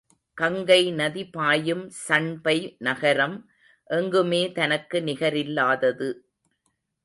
கங்கை நதி பாயும் சண்பை நகரம் எங்குமே தனக்கு நிகரில்லாதது.